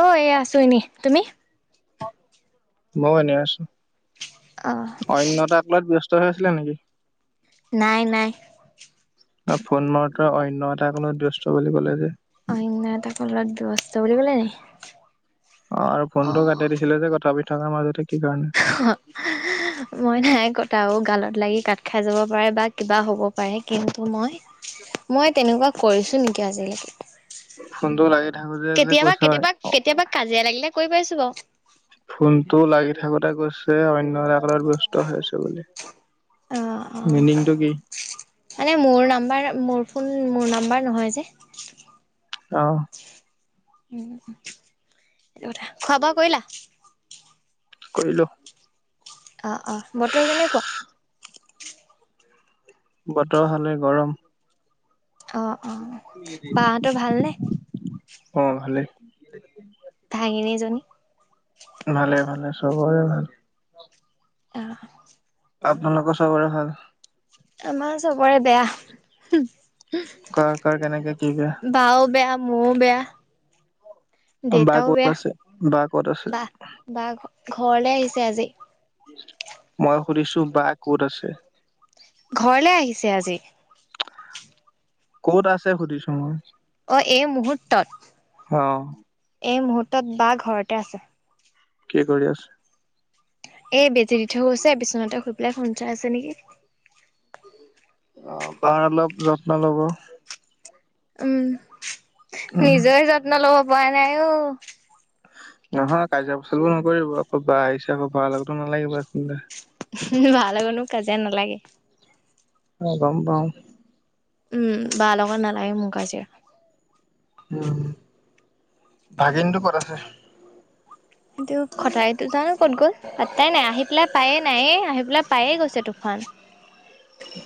অ', এইয়া আছো এনেই, তুমি? ময়ো, এনে আছো। অ',। অন্য এটা কলত ব্যস্ত হৈ আছিলা নেকি? নাই, নাই। অ',। ফোন মাৰোতে অন্য এটা কলত ব্যস্ত বুলি ক'লে যে। অন্য এটা কলত ব্যস্ত বুলি ক'লে নেকি? অ', আৰু ফোনটো কাটি দিছিলা যে কথা পাতি থকাৰ মাজতে কি কাৰণে? [unintelligible] মই নাই কটা অ',। গালত লাগি কাট খাই যাব পাৰে বা কিবা হ'ব পাৰে। কিন্তু, মই, মই তেনেকুৱা কৰিছো নেকি আজিলৈকে? ফোনটো লাগি থাকোতে যে কেতিয়াবা, কৈছা কেতিয়াবা, কেতিয়াবা কাজিয়া লাগিলে কৰি পাইছো বাৰু। ফোনটো লাগি থাকোতে কৈছে অন্য এটা কলত ব্য স্ত আছে বুলি। অ অ মিনিংটো কি? মানে, মোৰ নাম্বাৰ মোৰ ফোন মোৰ নাম্বাৰ নহয় যে। অ',। উম, সেইটো কথা। খোৱা বোৱা কৰিলা? কৰিলো। অ 'অ' বতৰ কেনেকুৱা? বতৰ হলে গৰম। অ 'অ' বা হতৰ ভালনেে? অঁ ভালেই। ভাঙনীজনী ভালে, ভালে চবৰে ভাল। অ' আপোনালোকৰ চবৰে ভাল। আমাৰ চবৰে বেয়া। কাৰ কাৰ কেনেকে কি বেয়া বাও বেয়া মও বেয়া বা দেউতাও ক'ত বেয়া আছে বা ক'ত আছে বা বা ঘৰলে আহিছে আজি মই সুধিছো বা ক'ত আছে। ঘৰলে আহিছে আজি। কত আছে সুধিছো মই অ এই মুহূুৰ্তত অ এই মুহূুৰ্তত বা ঘৰতে আছে। কি কৰি আছে। এই বেজি দি থৈ গৈছে বিচনাতে শই পেলাই ফোন চাই আছে নেকি। অ', বাৰ অলপ যত্ন লব। উম, উম নিজৰে যত্ন লব পৰা নাই অ'। নহয় কাজিয়া পেচালো নকৰিব আকৌ বা আহিছে আকৌ বা লগতো নালাগিব এ বা লগতো কাজিয়া নালাগে। অ', গম পাওঁ। উম, বা লগত নালাগে মোৰ কাজিয়া। উম, ভাগিনতটো ক'ত আছে? সটো খটাইতো জানো ক'ত গ'ল পাতটাই নাই আহি পেলাই পায়ে নাইে আহি পেলাই পায়ে গৈছে তুফান।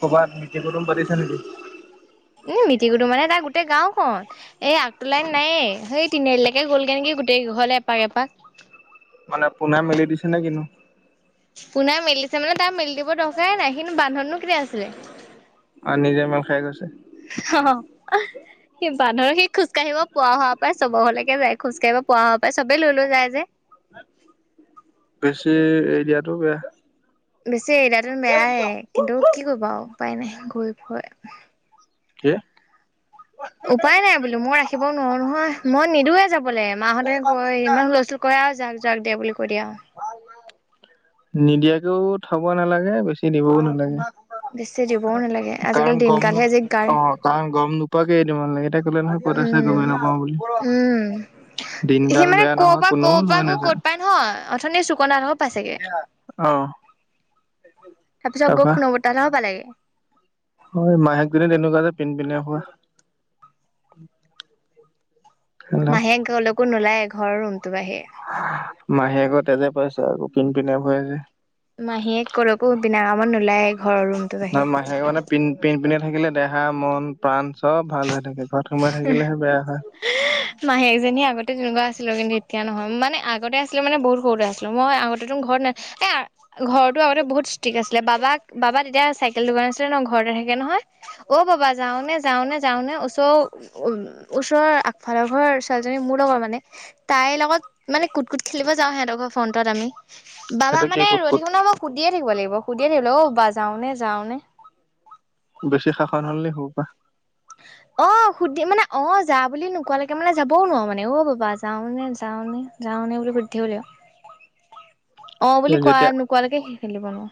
কবাত [unintelligible] পাতিছে নেকি। উ, মিটিৰ কুটোম মানে তাৰ গোটেই গাঁওখন। এই আগত লাইন নাইে সেই তিনিআলি লৈকে গ'ল কে নেকি গোটেই ঘৰলে এপাক এপাক মানে পুনে মেলি দিছে নে কি নো পোনাই মেলিছে মানে তাৰ মেলি দিব দৰকাৰাইে নাই কিন্তু বান্ধনো কেতিয়া আছিলে। অ', নিজে মান খাই গৈছে। অহ। সি বানধৰ সি খোজ কঢ়িব পোৱা হোৱাৰ পৰাই চব ঘৰলৈকে যায় খোজ কঢ়িব পোৱা হোৱাৰ পৰাই চবেই লৈ লৈ যায় যে বেছি এৰি দিয়াতটো বেয়া। বেছি এৰি দিয়াটো বেয়াই কিন্তু কি কৰিবা উপায় নাই গৈ পৈ। কি? উপায় নাই বোলো মই ৰাখিবও নোৱাৰো নহয় মই নিদওঁয়ে যাবলৈ মাহঁতে কৈ ইমান কয় আৰু যাক যাক দে বুলি কৈ দিয়ে আৰু। নিদিয়াকেও থব নালাগে বেছি দিবও নালাগে। বেছি দিবও নালাগে কাৰণ আজিকালি গম নোপ দিনকালহে যি গাৰ। অ কাৰণ গম নোপোৱা এৰি দিব নালাগে এটা ক'লে নহয় কত আছে উম গমেই নাপাওঁ বুলি। উম দিনকাল বেয়া নহয় কোনোও লৈ নাযায়। ন অথনি চুকনাত হক অ'। তাৰপিছত গৈ খুনৌ বৰ্তা হতৰ ঘৰ পালেগৈ। হয় মাহীয়েক জনীএ তেনেকুৱা যে পিন পিনাই ফোৱা। হেল্ল' মাহীয়েক ঘৰলৈকো নোলায় ঘৰৰ ৰুমটো বাঢ়িয়ে। মাহীয়েক তেজে পাইছে আকৌ পিন পিনে ফুৰে যে। মাহীয়েক কলকো বিনা কামত নোলায়। ঘৰৰ ৰুমটোৰ মন বাহিৰে। মাহে মানে পিন পিন পিনাই থাকিলে দেহা মন প্ৰাণ চব ভাল হৈ থাকে। ঘৰত সোমাই থাকিলেহে বেয়া হয়। [unintelligible] মাহীয়েকজনী আগতে যেনেকুৱা আছিলো, কিন্তু এতিয়া নহয় মানে আগতে আছিলো মানে বহুত সৰুতে আছিলো মই আগতে তো ঘৰত না এ ঘৰৰতো আগতে বহুত ষ্ট্ৰিক আছিলে, বাবাক, বাবা তেতিয়া চাই কেল দোকান আছিলে ন ঘৰতে থাকে নহয়। অ', বাবা যাওঁনে, যাওঁনে, যাওঁনে ওচৰ উম, ওচৰৰ আগফালৰ ঘৰ ছোৱালীজনী মোৰ লগৰ মানে তাইৰ লগত মানে কুট কুট খেলিব যাওঁ সিহঁতৰ ঘৰৰ ফ্ৰণ্টত আমি বাবা সেইটো কি মানে কুট ৰৈ কুট থাকিব নহয় মই সুধিয়ে থাকিব লাগিব, সুধিয়ে থাকিব লাগিব অ', বাবা যাওঁনে যাওঁনে? বেছি শাসন হ'লে সুৰুৰ পা। অ', সুধি মানে অ', যা বুলি নোকোৱালৈকে মানে যাবও নোৱাৰো মানে অ', বাবা যাওঁনে যাওঁনে? যাওঁ নে বুলি সুধি থাকিব লাগিব অ', বুলি এই কোৱা যেতিয়া নোকোৱালৈকে সেই খেলিব নোৱাৰোঁ।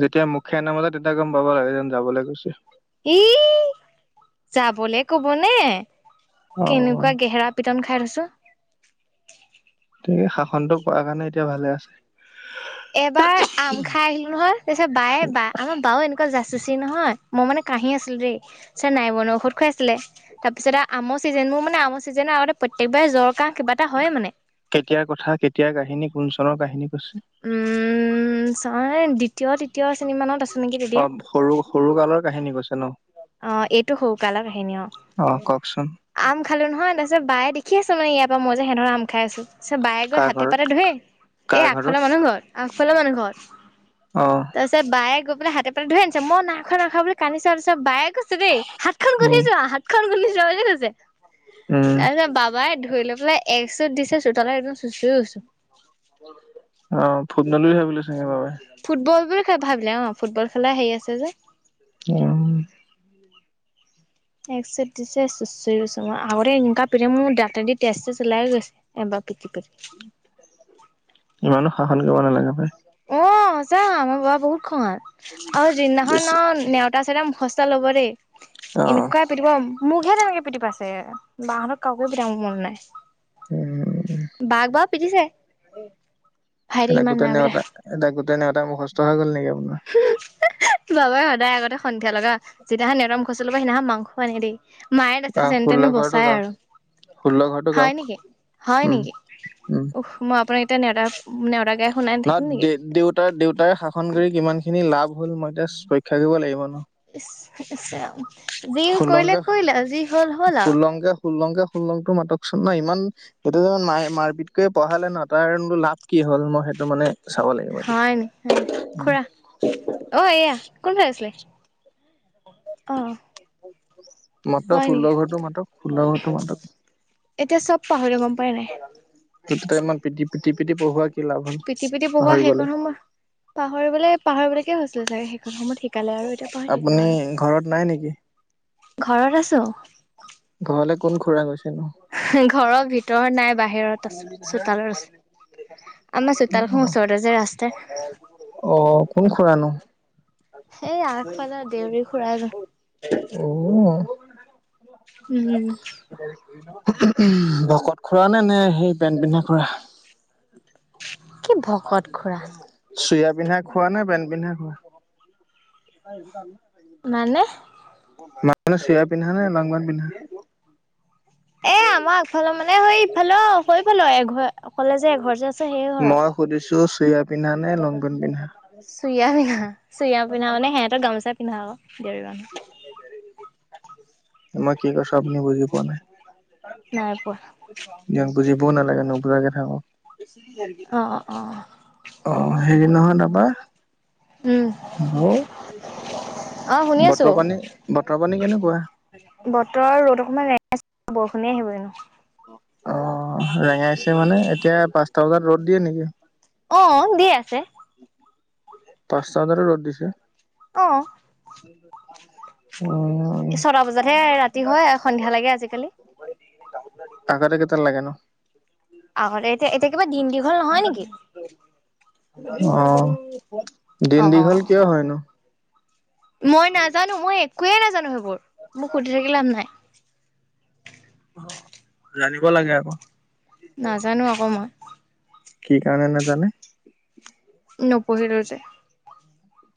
যেতিয়া মুখে নামাতে, তেতিয়া গম পাব লাগে যেন যাবলৈ কৈছে। ই যাবলে ক'বনে? অ কেনেকুৱা গেহেৰা পিটন খাই থৈছোঁ। তে শাসনটো কৰাৰ কাৰণে এতিয়া ভালে আছে। এবাৰ আম খাই আহিলো নহয়, পিছত বায়ে বা আমাৰ বাও এনে কুৱা যাচুচি নহয়, মই মানে কাঁহি আছিলো দেই! পিছত নাই বন ঔষধ খোৱাইছিলে। তাৰপিছত আৰু আমৰ ছিজন। মোৰ মানে আমৰ ছিজনৰ আগতে প্ৰত্যেকবাৰে জ্বৰ, কাঁহ কিবা এটা হয় মানে। কেতিয়াৰ কথা, কেতিয়াৰ কাহিনী, কোন চনৰ কাহিনী কৈছে? উম চন এই দ্বিতীয়, তৃতীয় শ্ৰেণী মানত আছিলো। অ সৰু সৰু কালৰ কাহিনী কৈছে ন? অ এইটো সৰুকালৰ কাহিনী অ। আম খালো নহয়, তাৰপিছত বায়ে দেখি আছে মানে ইয়াৰ পৰা মই যে সিহঁতৰ আম খাই আছোঁ। পিছত বায়ে গৈ কাৰ হাতে ঘৰত পাতে ধৰে। এই কাৰ ঘৰত? আগফালৰ মানুহ ঘৰত, আগফালৰ মানুহ ঘৰত। অ তাৰ পিছত বায়ে গৈ পেলাই হাতে পাতে ধৰি আনিছে। মই নাই খোৱা, নাই খোৱা বুলি কান্দিছো। তাৰপিছত বায়েক ছো দেই। হাতখন ঘহি উম, চোৱা হাতখন গোন্ধাইছে বুলি কৈছে। উম, তাৰপিছত বাবাই ধৰি লৈ পেলাই এক চুত দিছে, চোতালত একদম চুচুুৰি গৈছো। অ ফুটবল বুলি ভাবি লৈছে একেবাৰে। ফুটবল বুলি খে ভাবিলে অ ফুটবল খেলাৰ হেৰি আছে যে। অ [inaudible] এক চুত দিছে চুচৰি গৈছো মই। আগতে এনেকুৱা প্ৰে মোৰ দাঁতে দি তেজ থেজ ওলাই গৈছে। এবাৰ পিটি [unintelligible] ইমানো শাসন কৰিব নালাগে পাই। অ সঁচা আমাৰ বাবা বহুত খঙাল। আৰু যিদিনাখন ন নেওতা চেওতা মুখস্ ল'ব দেই! অ', এনেকুৱা পিতিব মোকহে তেনেকে পিটি পাইছে বাহঁতৰ কাকো পিটাব পৰা নাই। উম, বাক বাৰু পিটিছে। ভাইটিক ইমান নাই পিটা। এতিয়া গোটে নেওতা মুখস্থ হৈ গ'ল নেকি আপোনাৰ? বাবাই সদায় আগতে সন্ধিয়া লগা, যিদিনাখন নেওটা মুখস্থ ল'ব সেইদিনাখন মাংস আনে দেই। মায়ে তাৰপিছত আহ, যেন ষোল্ল তেনে ঘৰটো বচায় গাওক আৰু। ষোল্ল ঘৰটো হয় গাওক নেকি? হয় উম, নেকি? উফ্ মই আপোনাৰ এতিয়া নেওটা নত দে দেউত তোৰ দেউতাই শাসন কৰি কিমানখিনি লাভ হ'ল মই এতিয়া পৰীক্ষা কৰিব লাগিব ন? ইছ হৈ গৈছে আৰু। যি কৰিলে ষোল্লংকে কৰিলে, যি হ'ল হ'ল আৰু। শোলংকে শোলংটো মাতকচোন ন ইমান সেইটো যে মাৰ মাৰপিত কে পঢ়ালে ন তাৰনো লাভ কি হ'ল? মই সেইটো মানে চাব লাগিব এতিয়া। হয় নি? উম খুৰা অ এয়া কোনফালে গৈছিলে? অঁ মাতক ষোল্ল ঘৰটো মাতক ষোল্ল ঘৰটো মাতক এতিয়া চব পাহৰিলো গম পাই নাই ত ত ইমানি পি পিতি পঢ়ুৱাক পিটি পিতিি পবোৱা সেই কৰ সময় পাহৰিবলৈ পাহৰিবলৈকে হৈছিলে চাগে সেইখন সময়ত শিকালে আৰু তিয়া পঢ় থাকিলো আপুনি ঘৰত নাই নেকি? আৰু ঘৰত আছো ঘৰলে কোন খুৰা গৈছে ন ঘৰৰ ভিতৰত নাই বাহিৰত চোতালৰ আছে আমাৰ চোতাল খ ওচৰতে যে ৰাস্তা অ কোন খুৰানো সেই আগফালৰ দেউৰী খুৰা অ উম ভকত খুৰা নে নে সেই পেন পিন্ধা খুৰা কি ভকত খুৰা চুয়া পিন্ধা খোৱা না বেন পিন্ধা খোৱা মানে মানানে চেয়া পিন্ধা নে লংবান পিন্ধা এ আমাৰ আগফালৰ মানে সেই ইফালে সফালো এঘৰ অকলে যে এঘৰ যে আছে সেই মই ঘৰৰত সুধিছো চোয়াৰ পিন্ধা নে লংপেনট পিন্ধা। চোৰিয়া পিন্ধা চোৰিয়া পিন্ধা মানে সিহঁতে গামোচা পিন্ধা আক দেউৰ মানুহ মই কি কছো আপুনি বুজি পোৱা নাই। নাই পোৱা। ইয়াক বুজিবও নালাগে নুবুজাকে থাকক। অ', অ', অ', অ' হেৰি নহয় তাৰপাৰ উম, হেল্ল' অ', শুনি আছো বতৰ পানী বতৰ পানী কেনেকুৱা। বতৰ ৰ'দ অকণমান ৰেঙছিল বৰষুণেয় আহিব এনো। অ' ৰেঙাইছে মানে এতিয়া পাঁচটা বজাত ৰ'দ দিয়ে নেকি। অ' দি আছে। পাঁচটা বুজাটো ৰ'দ দিছে। অ' অ ছটা বজাতহে ৰাতি হয়, সন্ধিয়া লাগে, আজিকালি। আগতে কেইটাল লাগে ন। আগতে এতিয়া এতিয়া কিবা দিন দীঘল নহয় নেকি অ' দিন অ', দীঘল অ', কিয় হয় নো। মই নাজানো, মই একোৱে নাজানো, সেইবোৰ মোক সুধি থাকিল লাভ নাই। অ' জানিব লাগে আকৌ। নাজানো আকৌ মই কি কাৰণে নাজানে। নপঢ়িলো যে।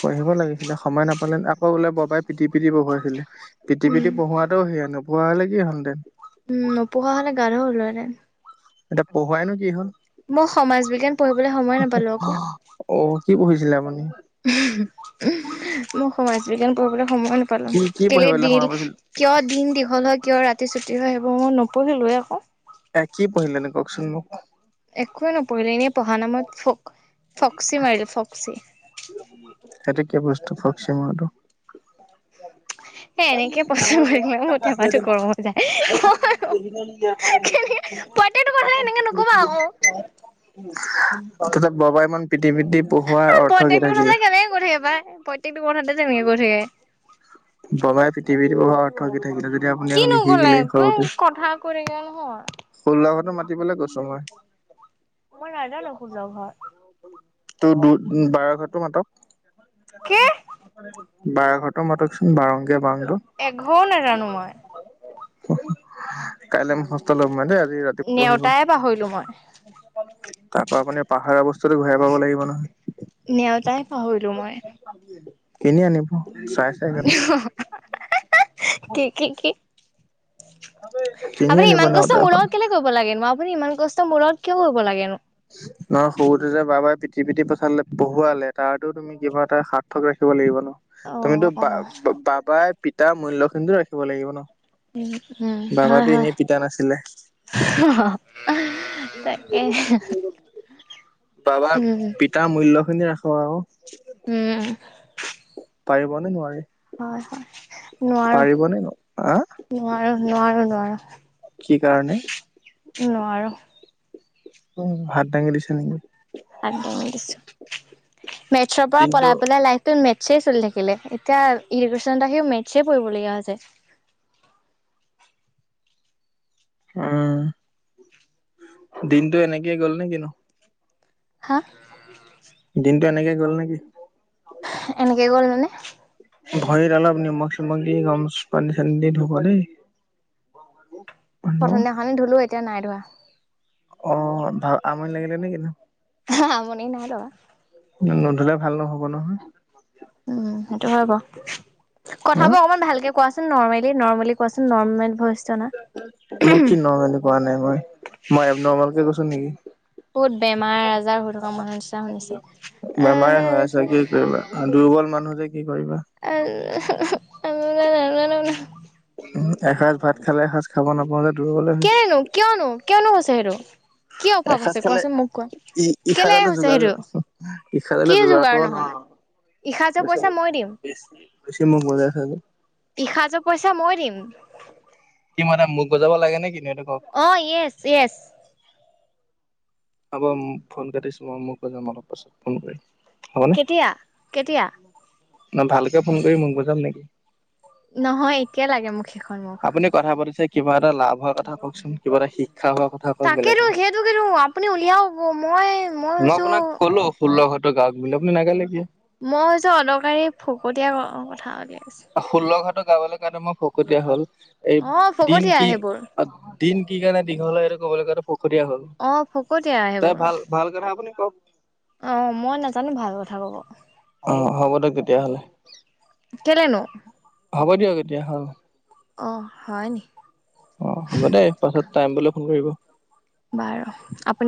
পঢ়িব লাগিছিলে, সময় নাপালে আকৌ বোলে ববাই পিটি পিটি পঢ়ুৱাইছিলে। পিটি উম, পিটি পঢ়োৱাতটো সেয়া নপঢ়োৱা হ'লে কি হ'ল হেঁতেন। উম, নপঢ়া হ'লে গাধ হ'লো হেতেন এতিয়া পঢ়োৱাই নো কি হ'ল। মই সমাজ বিজ্ঞান পঢ়িবলৈ সময় নাপালো আকৌ। অ' কি পঢ়িছিলে মানে। মই সমাজ বিজ্ঞান পঢ়িবলৈ সময় নাপালো কি কি কেলে পঢ়িবলৈ দিল সময় পাইছিল কিয় দিন দীঘল হয়, কিয় ৰাতি ছুটি হয়, সেইবোৰ মই নপঢ়িলোৱে আকৌ। এ কি পঢ়িলেনে কওঁকচোন মোক। একোৱে নপঢ়িলো, এনেই পঢ়া নামত ফক ফক্সি মাৰিলোঁ ফক্সি। এটো কি বস্ত ফকছি মৰাটো। [unintelligible] এই এনেকে পইচা ডাঙৰ জে মাৰিলে মোৰ টেমাটো গৰম হৈ যায় কেনে প্ৰত্যেকটো কথা এনেকে নকবা আকৌ [unintelligible] আগতে বাবাই ইমান পিটি পিটি পঢ়োৱাৰ অৰ্থ কি প্ৰত্যেকটো থাকিলে কথাতে কেনেকে কৈ থাকে পাই প্ৰত্যেকটো কথাতে যেনেকে তেনেকে কয় থাকে। ববাই পৃথিৱীত পঢ়োৱাৰ অৰ্থ কি থাকিলে যদি। আপুনি আকৌ কিনোগ'লা নিশিকিলে একো কথা কৈ থাকে নহয়। ষোশতো মাতিবলৈ গৈছোঁ মই। মই নাজা শোলৰ ঘৰত তোৰ দু বাৰ ঘৰটো মাতক। কি বাৰ ঘৰৰতৰ মাতকচোন বাৰংগীয়া বাৰংটো এঘৰ নাজানো মই। কাইলৈ মই মূখস্থ লম মই দেই আজি ৰাতি পঢ়িব নেওতাইে পাহৰিলোঁ মই। তাৰ পৰাৰা আপুনি পাহাৰ বস্তুতটো ঘূৰাই পাব লাগিব নহয়। নেওতাই পাহৰিলো মই এনে আনিম চাই চাই কেনে। কি কি কি কিনি আপুনি আনিব ইমান নেওতা কষ্টৰ মূৰ এখন লগত কেলে কিয় কৰিব লাগেনো, আপুনি ইমান কষ্ট মূৰ লগত কিয় কৰিব লাগেনো। নহয় সৰুতো যে বাবাই পিটি পিঠি পঠালে পঢ়ুৱালে তাতো তুমি তুমি কিবা এটা সাৰ্থক ৰাখিব লাগিব ন অ তুমিতো অ বা বাবাই পিতাৰ মূল্য খিনিতো ৰাখিব লাগিব ন উম উম বাবা হয় হয় এনেই পিতা নাছিলে তাকে বাবাৰ উম পিতাৰ মূল্্য খিনি ৰাখো আৰু উম পাৰিব নে নোৱাৰি হয় হয় নোৱাৰো আহ নোৱাৰো নোৱাৰো নোৱাৰো কি কাৰণে নোৱাৰো উ ভাত দাঙি দিছে নেকি আ দঙি দিছো মেথছৰ পৰা দিনটো পলাই পেলাই লাই মেটছে চলি থাকিলে এতিয়া ইৰিগেশ্যনত আহি মেটছে পঢ়লগীয়া হৈছে উম দিনতটো এনেকেই গ'ল নে কিনো হা দিনতটো এনেকে গ'ল নেকি এনেকৈ গ'ল মানে ভৰিত অলপ নিমখ চমখ দি গম পানী চানী দি ধুব দেই প্ৰথম দিনাখননে ধুলো এতিয়া নাই ধৰা অ ভাল আমনি লাগিলে নে কিন্তু হ মন নাই [inaudible] নধিলে ভাল নহ'ব নহয় উম সেইটো হয় ব হা কথাবোৰ অকমান ভালকে কোৱাচোন নৰ্মেলি নৰ্মেলি কোৱাচোন নৰ্মেল অনা। মই কি নৰ্মেলি কোৱা নাই মই মই এব নৰ্মেলকে কৈছো নেকি বহুত বেমাৰ আজাৰ হৈ থকা মানুহ নিচিনা শুনিছে বেমাৰে হৈ আছা আহ কি কৰিবা আৰু দুৰ্বল মানুহ যে কি কৰিবা অ আম নান উম এসাঁজ ভাত খালে এসাঁজ খাব নাপাওঁ যে দুৰ্বলে হৈছো কেনেনো কিয়নো কিয়নো কৈছে হেই কি অভাৱ এসাঁজ হৈছে খালে কোৱাচোন মোক কোৱা ই ইখা কেলে দলে হৈছে যোগাৰ সেইটো? কৰিব ইখা কি দলে যোগাৰ কৰিব নহয়? নোৱাৰো ব ইসাঁজৰ পইচা মই দিম। বেছ বেছি মোক বজাই থাকে ইখাাজৰ পইচা মই দিম [unintelligible] কি মানে মোক গজাব লাগে নে সেইটো ক। অ' য়েছ য়েছ। হ'ব ফোন কাটিছোঁ। [unintelligible] মই মোকো যাম অলপ পাছত ফোন কৰিম হ'বনে কেতিয়া, কেতিয়া। ন, ভালকে ফোন কৰি মোক বুজাম নেকি। নহয় একে লাগে মোক সেইখন মোক। আপুনি কথা পাতিছে কিবা এটা লাভ হোৱা কথা কওকচো, ন কিবা এটা শিক্ষা হোৱা কথা কও, তাকেেতো সেইটোকে ৰু আপুনি উলিয়াও হব মই মই হৈছো [unintelligible] ফুল্ক হয়তো গ বুলি আপু নাগালোগে [unintelligible] মইছো অদকাৰী ফকতীয়া কথা উলিয়াইছোঁ। ষোল্ল ঘাটো গাবলৈ কাৰণে মই ফকতীয়া হ'ল। এই আছো অ দিন ফকতীয়া কি, সেইবোৰ দিন কি কাৰণে দীঘল হয়। [unintelligible] এইটো কবলৈাঙ পুখুৰীয়া হ'ল অ ভকত আহে তই বোৰ ভাল [unintelligible] ভাল কথা। আপুনি কওক, অ' মই নাজানো ভাল কথা ক'ব। অ' হ'ব দিয়ক তেতিয়াহ'লে। কেলেনো। হ'ব দিয়ক এতিয়া হ'। অ' হয় নি। অ' হ'ব দে পাছত টাইম পালে ফোন কৰিব। বাৰু, আপুন